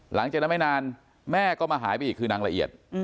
หลังจากนั้นไม่นานแม่ก็มาหายไปอีกคือนางละเอียด